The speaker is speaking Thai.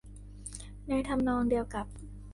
ในทำนองเดียวกับ